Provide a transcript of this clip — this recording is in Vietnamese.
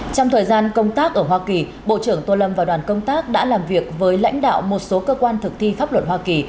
trong thời gian công tác ở hoa kỳ bộ trưởng tô lâm và đoàn công tác đã làm việc với lãnh đạo một số cơ quan thực thi pháp luật hoa kỳ